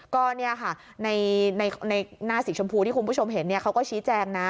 ก็เนี่ยค่ะในหน้าสีชมพูที่คุณผู้ชมเห็นเขาก็ชี้แจงนะ